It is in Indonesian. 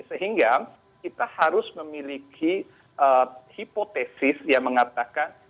sehingga kita harus memiliki hipotesis yang mengatakan